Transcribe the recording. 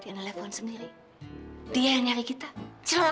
dia ngelepon sendiri dia yang nyari kita celaka